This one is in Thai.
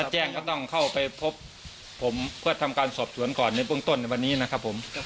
แจ้งก็ต้องเข้าไปพบผมเพื่อทำการสอบสวนก่อนในเบื้องต้นในวันนี้นะครับผม